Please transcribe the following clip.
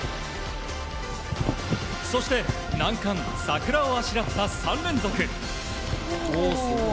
そして、難関桜をあしらった３連続。